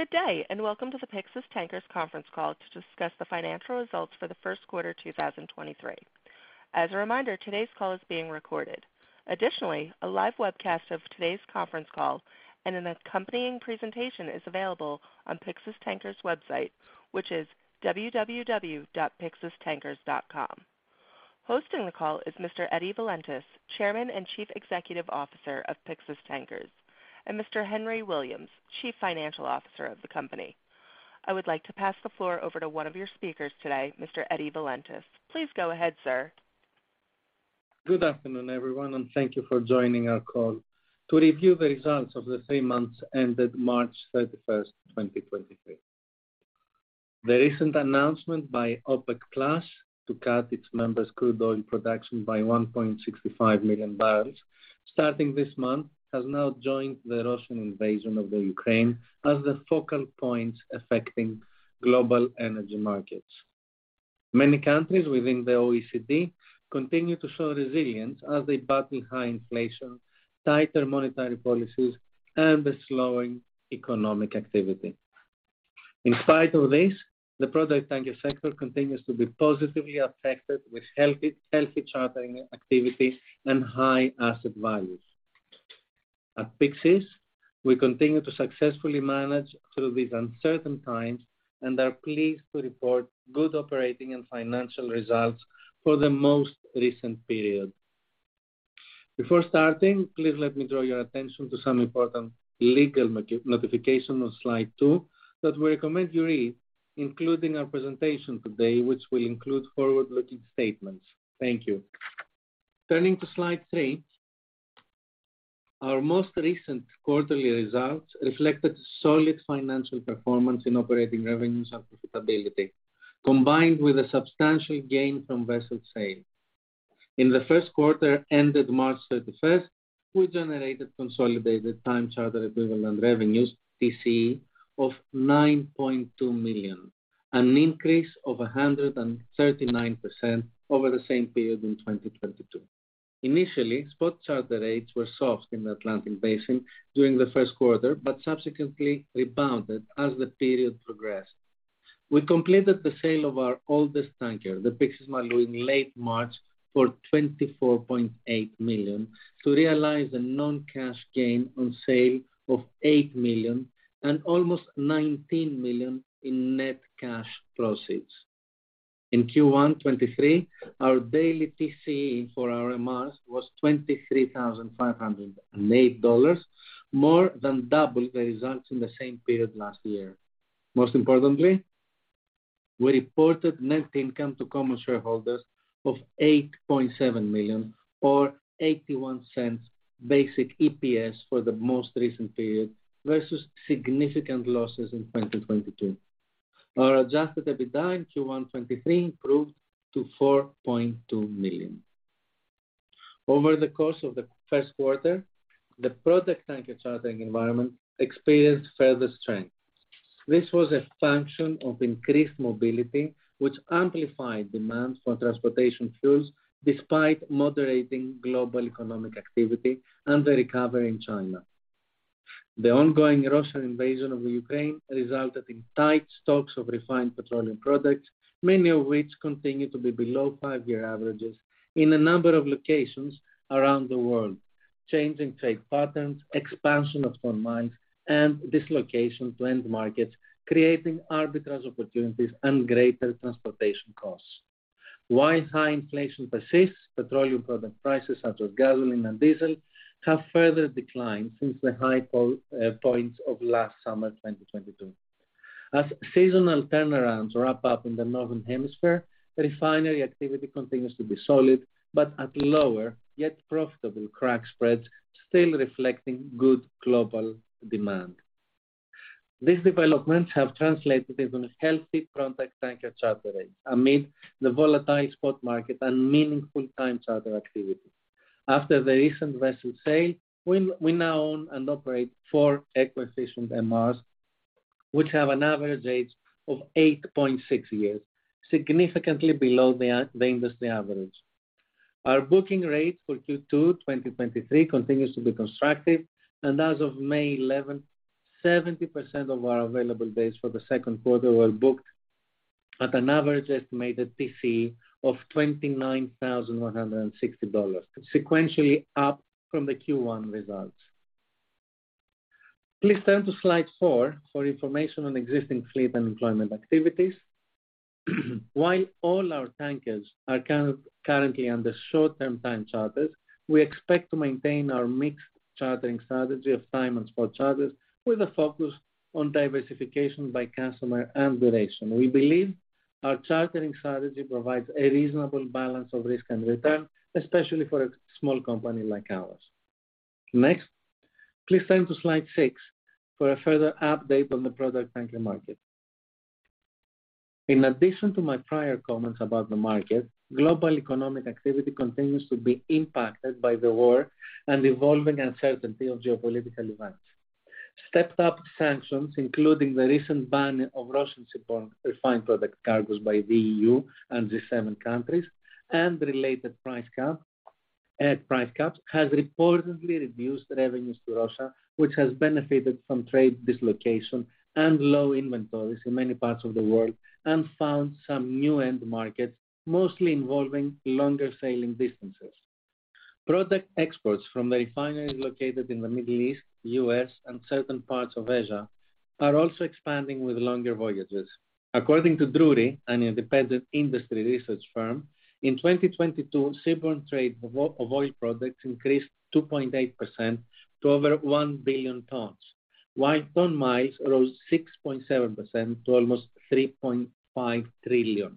Good day, Welcome to the Pyxis Tankers Conference Call to Discuss The Financial Results for The First Quarter 2023. As a reminder, today's call is being recorded. Additionally, a live webcast of today's conference call and an accompanying presentation is available on Pyxis Tankers website, which is www.pyxistankers.com. Hosting the call is Mr. Valentios Valentis, Chairman and Chief Executive Officer of Pyxis Tankers, and Mr. Henry Williams, Chief Financial Officer of the company. I would like to pass the floor over to one of your speakers today, Mr. Valentios Valentis. Please go ahead, sir. Good afternoon, everyone, thank you for joining our call to review the results of the three months ended March 31st, 2023. The recent announcement by OPEC+ to cut its members crude oil production by 1.65 million barrels starting this month has now joined the Russian invasion of Ukraine as the focal point affecting global energy markets. Many countries within the OECD continue to show resilience as they battle high inflation, tighter monetary policies and the slowing economic activity. In spite of this, the product tanker sector continues to be positively affected with healthy chartering activity and high asset values. At Pyxis, we continue to successfully manage through these uncertain times and are pleased to report good operating and financial results for the most recent period. Before starting, please let me draw your attention to some important legal notification on slide two that we recommend you read, including our presentation today, which will include forward-looking statements. Thank you. Turning to slide three. Our most recent quarterly results reflected solid financial performance in operating revenues and profitability, combined with a substantial gain from vessel sale. In the first quarter ended March 31st, we generated consolidated Time Charter Equivalent revenues, TCE, of $9.2 million, an increase of 139% over the same period in 2022. Initially, spot charter rates were soft in the Atlantic Basin during the first quarter, but subsequently rebounded as the period progressed. We completed the sale of our oldest tanker, the Pyxis Malou, in late March for $24.8 million to realize a non-cash gain on sale of $8 million and almost $19 million in net cash proceeds. In Q1 2023, our daily TCE for our MRs was $23,508, more than double the results in the same period last year. Most importantly, we reported net income to common shareholders of $8.7 million or $0.81 basic EPS for the most recent period vs significant losses in 2022. Our Adjusted EBITDA in Q1 2023 improved to $4.2 million. Over the course of the first quarter, the product tanker chartering environment experienced further strength. This was a function of increased mobility, which amplified demand for transportation fuels despite moderating global economic activity and the recovery in China. The ongoing Russian invasion of Ukraine resulted in tight stocks of refined petroleum products, many of which continue to be below five-year averages in a number of locations around the world, changing trade patterns, expansion of coal mines and dislocation to end markets, creating arbitrage opportunities and greater transportation costs. While high inflation persists, petroleum product prices such as gasoline and diesel have further declined since the high pole points of last summer, 2022. As seasonal turnarounds wrap up in the Northern Hemisphere, refinery activity continues to be solid, but at lower, yet profitable crack spreads still reflecting good global demand. These developments have translated into healthy product tanker charter rates amid the volatile spot market and meaningful time charter activity. After the recent vessel sale, we now own and operate four acquisition MRs, which have an average age of 8.6 years, significantly below the industry average. Our booking rate for Q2 2023 continues to be constructive. As of May 11th, 70% of our available days for the second quarter were booked at an average estimated TCE of $29,160, sequentially up from the Q1 results. Please turn to slide four for information on existing fleet and employment activities. While all our tankers are currently under short-term time charters, we expect to maintain our mixed chartering strategy of time and spot charters with a focus on diversification by customer and duration. We believe our chartering strategy provides a reasonable balance of risk and return, especially for a small company like ours. Next, please turn to slide six for a further update on the product tanker market. In addition to my prior comments about the market, global economic activity continues to be impacted by the war and evolving uncertainty of geopolitical events. Stepped up sanctions, including the recent ban of Russian seaborne refined product cargoes by the EU and G7 countries and related price caps has reportedly reduced revenues to Russia, which has benefited from trade dislocation and low inventories in many parts of the world and found some new end markets, mostly involving longer sailing distances. Product exports from refineries located in the Middle East, U.S., and certain parts of Asia are also expanding with longer voyages. According to Drewry, an independent industry research firm, in 2022, seaborne trade of oil products increased 2.8% to over 1 billion tons, while ton-miles rose 6.7% to almost 3.5 trillion.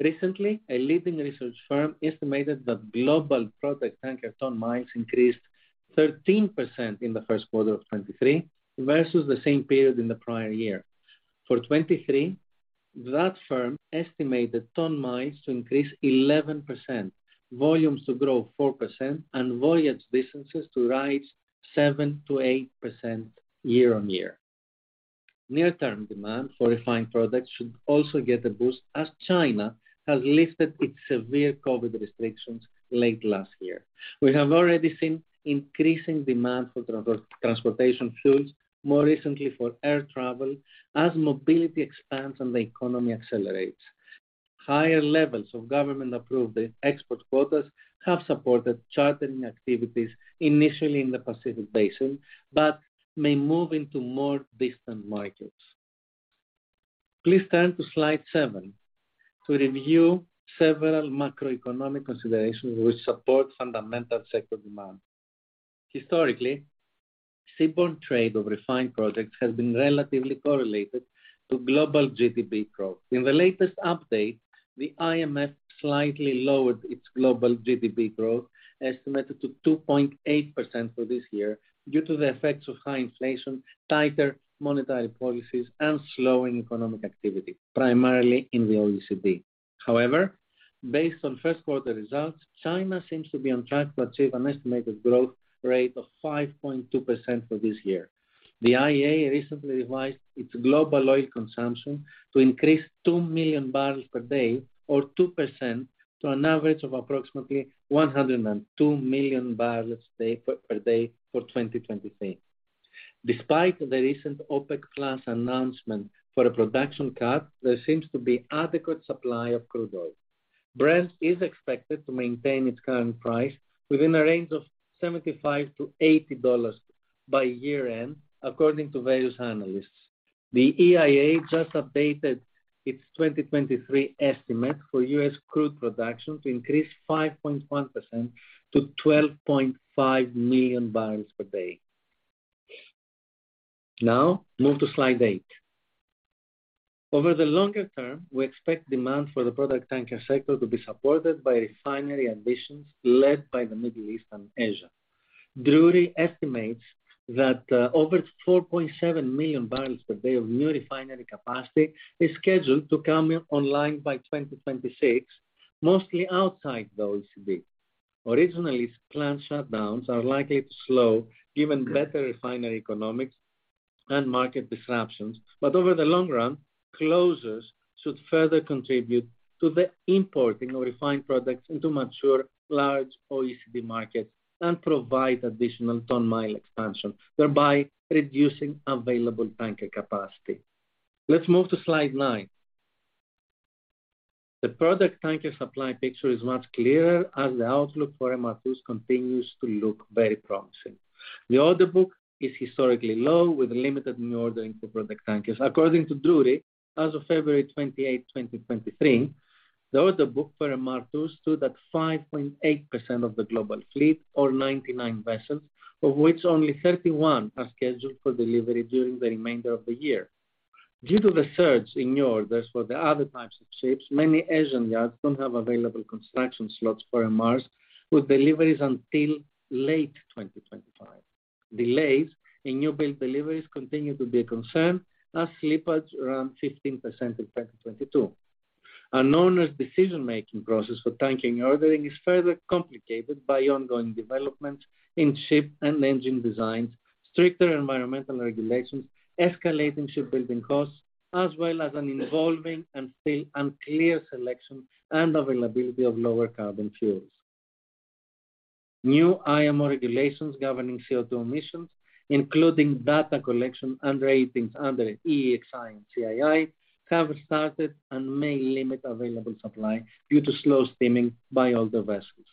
Recently, a leading research firm estimated that global product tanker ton-miles increased 13% in the first quarter of 2023 vs the same period in the prior year. For 2023, that firm estimated ton-miles to increase 11%, volumes to grow 4%, and voyage distances to rise 7%-8% year-on-year. Near-term demand for refined products should also get a boost as China has lifted its severe COVID restrictions late last year. We have already seen increasing demand for transportation fuels, more recently for air travel, as mobility expands and the economy accelerates. Higher levels of government-approved export quotas have supported chartering activities initially in the Pacific Basin, but may move into more distant markets. Please turn to slide seven to review several macroeconomic considerations which support fundamental sector demand. Historically, seaborne trade of refined products has been relatively correlated to global GDP growth. In the latest update, the IMF slightly lowered its global GDP growth estimate to 2.8% for this year due to the effects of high inflation, tighter monetary policies, and slowing economic activity, primarily in the OECD. However, based on first quarter results, China seems to be on track to achieve an estimated growth rate of 5.2% for this year. The IEA recently revised its global oil consumption to increase 2 MMbpd or 2% to an average of approximately 102 MMbpd for 2023. Despite the recent OPEC+ announcement for a production cut, there seems to be adequate supply of crude oil. Brent is expected to maintain its current price within a range of $75-$80 by year-end, according to various analysts. The EIA just updated its 2023 estimate for U.S. crude production to increase 5.1% to 12.5 MMbpd. Move to slide eight. Over the longer term, we expect demand for the product tanker sector to be supported by refinery ambitions led by the Middle East and Asia. Drewry estimates that over 4.7 MMbpd of new refinery capacity is scheduled to come online by 2026, mostly outside the OECD. Originally, planned shutdowns are likely to slow given better refinery economics and market disruptions, but over the long run, closures should further contribute to the importing of refined products into mature large OECD markets and provide additional ton-mile expansion, thereby reducing available tanker capacity. Let's move to slide nine. The product tanker supply picture is much clearer as the outlook for MR2s continues to look very promising. The order book is historically low with limited new ordering for product tankers. According to Drewry, as of February 28, 2023, the order book for MR2s stood at 5.8% of the global fleet or 99 vessels, of which only 31 are scheduled for delivery during the remainder of the year. Due to the surge in orders for the other types of ships, many Asian yards don't have available construction slots for MRs with deliveries until late 2025. Delays in new build deliveries continue to be a concern as slippage around 15% in 2022. An owner's decision-making process for tanking ordering is further complicated by ongoing developments in ship and engine designs, stricter environmental regulations, escalating shipbuilding costs, as well as an evolving and still unclear selection and availability of lower carbon fuels. New IMO regulations governing CO2 emissions, including data collection and ratings under EEXI and CII, have started and may limit available supply due to slow steaming by older vessels.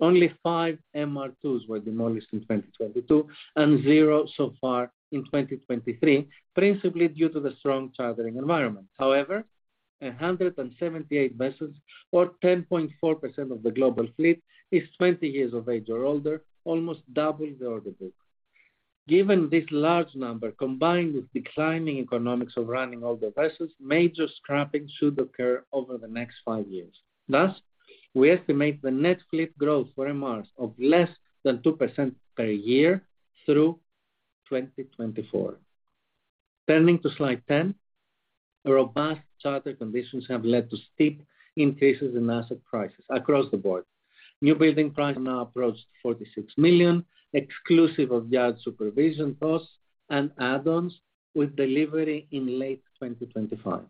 Only five MR2s were demolished in 2022 and zero so far in 2023, principally due to the strong chartering environment. 178 vessels or 10.4% of the global fleet is 20 years of age or older, almost double the order book. Given this large number, combined with declining economics of running older vessels, major scrapping should occur over the next five years. We estimate the net fleet growth for MRs of less than 2% per year through 2024. Turning to slide 10, robust charter conditions have led to steep increases in asset prices across the board. New building price now approached $46 million, exclusive of yard supervision costs and add-ons, with delivery in late 2025.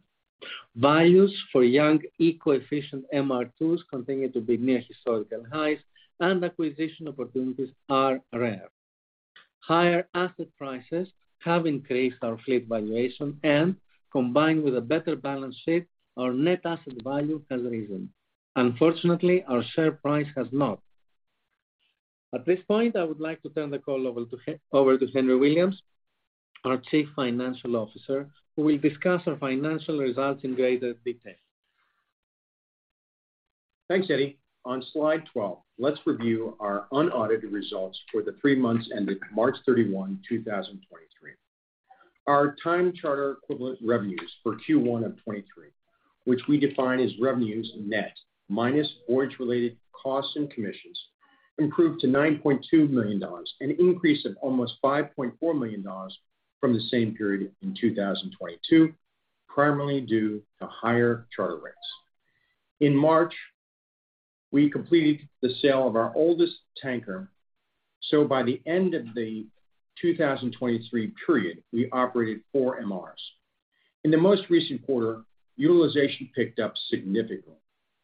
Values for young eco-efficient MR2s continue to be near historical highs and acquisition opportunities are rare. Higher asset prices have increased our fleet valuation and combined with a better balance sheet, our net asset value has risen. Our share price has not. At this point, I would like to turn the call over to Henry Williams, our Chief Financial Officer, who will discuss our financial results in greater detail. Thanks, Eddie. On slide 12, let's review our unaudited results for the three months ending March 31, 2023. Our Time Charter Equivalent revenues for Q1 2023, which we define as revenues net minus voyage-related costs and commissions, improved to $9.2 million, an increase of almost $5.4 million from the same period in 2022, primarily due to higher charter rates. In March, we completed the sale of our oldest tanker. By the end of the 2023 period, we operated 4 MRs. In the most recent quarter, utilization picked up significantly.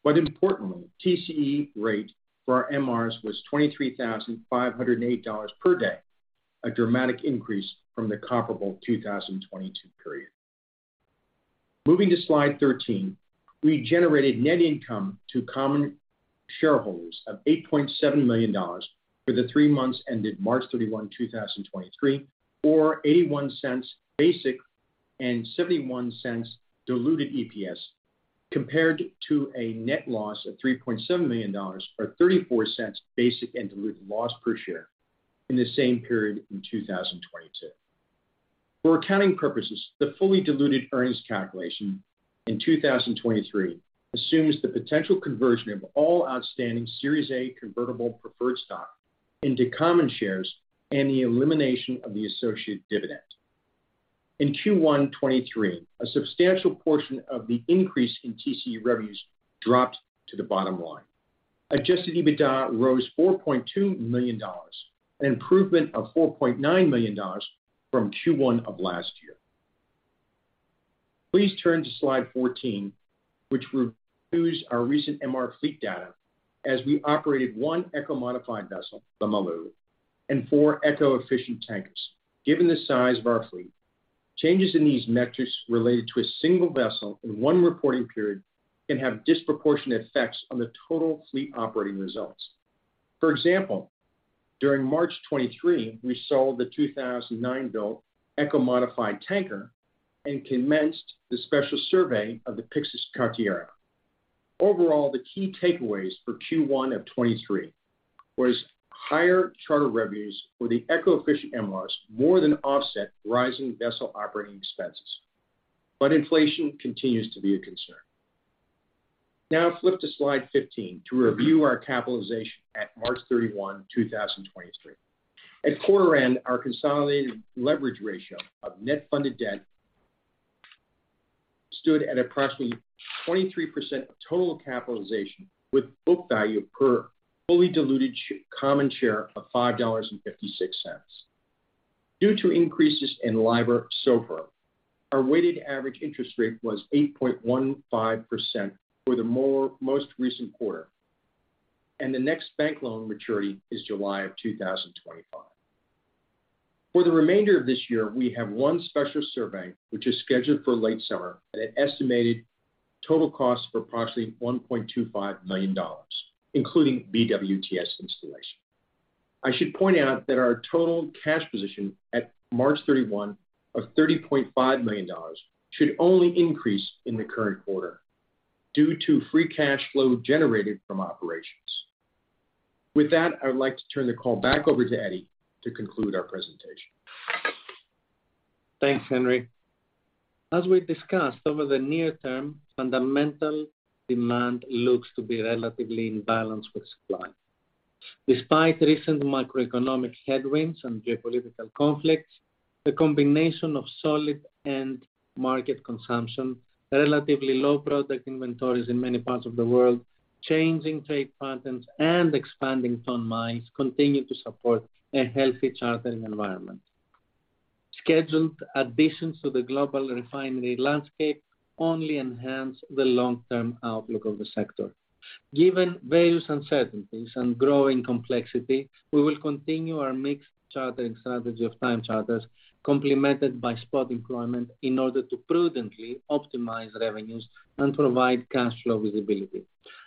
Importantly, TCE rate for our MRs was $23,508 per day, a dramatic increase from the comparable 2022 period. Moving to slide 13. We generated net income to common shareholders of $8.7 million for the three months ended March 31, 2023 or $0.81 basic and $0.71 diluted EPS, compared to a net loss of $3.7 million or $0.34 basic and diluted loss per share in the same period in 2022. For accounting purposes, the fully diluted earnings calculation in 2023 assumes the potential conversion of all outstanding Series A Convertible Preferred Stock into common shares and the elimination of the associated dividend. In Q1 2023, a substantial portion of the increase in TCE revenues dropped to the bottom line. Adjusted EBITDA rose $4.2 million, an improvement of $4.9 million from Q1 of last year. Please turn to slide 14, which reviews our recent MR fleet data as we operated one eco-modified vessel, the Malou, and four eco-efficient tankers. Given the size of our fleet, changes in these metrics related to a single vessel in one reporting period can have disproportionate effects on the total fleet operating results. For example, during March 2023, we sold the 2009-built eco-modified tanker and commenced the special survey of the Pyxis Karteria. Overall, the key takeaways for Q1 of 2023 was higher charter revenues for the eco-efficient MRs more than offset rising vessel operating expenses. Inflation continues to be a concern. Flip to slide 15 to review our capitalization at March 31, 2023. At quarter end, our consolidated leverage ratio of net funded debt stood at approximately 23% of total capitalization, with book value per fully diluted common share of $5.56. Due to increases in LIBOR SOFR, our weighted average interest rate was 8.15% for the most recent quarter, and the next bank loan maturity is July of 2025. For the remainder of this year, we have one special survey which is scheduled for late summer at an estimated total cost of approximately $1.25 million, including BWTS installation. I should point out that our total cash position at March 31 of $30.5 million should only increase in the current quarter due to free cash flow generated from operations. With that, I would like to turn the call back over to Eddie Valentis to conclude our presentation. Thanks, Henry. As we discussed, over the near term, fundamental demand looks to be relatively in balance with supply. Despite recent macroeconomic headwinds and geopolitical conflicts, the combination of solid end market consumption, relatively low product inventories in many parts of the world, changing trade patterns and expanding ton-miles continue to support a healthy chartering environment. Scheduled additions to the global refinery landscape only enhance the long-term outlook of the sector. Given various uncertainties and growing complexity, we will continue our mixed chartering strategy of time charters complemented by spot employment in order to prudently optimize revenues and provide cash flow visibility.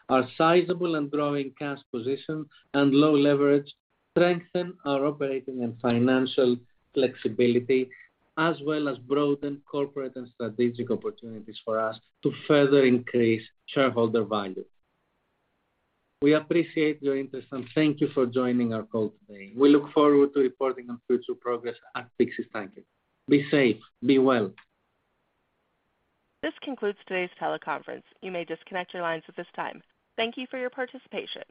Our sizable and growing cash position and low leverage strengthen our operating and financial flexibility, as well as broaden corporate and strategic opportunities for us to further increase shareholder value. We appreciate your interest, and thank you for joining our call today. We look forward to reporting on future progress at Pyxis Tankers. Be safe, be well. This concludes today's teleconference. You may disconnect your lines at this time. Thank you for your participation.